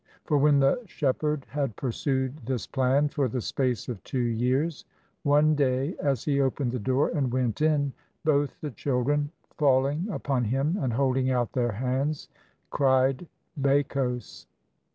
For when the shepherd had pursued this plan for the space of two years, one day as he opened the door and went in, both the children, falling upon him and holding out their hands, cried ''Becos."